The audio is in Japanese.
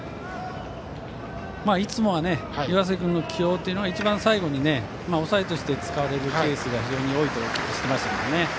いつもは岩瀬君の起用は一番最後に抑えとして使われるケースが非常に多いとお聞きしていました。